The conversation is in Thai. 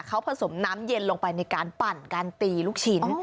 เขาผสมน้ำเย็นลงไปในการปั่นการตีลูกชิ้น